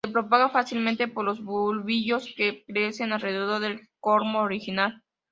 Se propaga fácilmente por los bulbillos que crecen alrededor del cormo original.